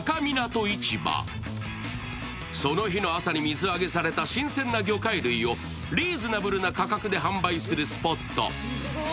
その日の朝に水揚げされた新鮮な魚介類をリーズナブルな価格で販売するスポット。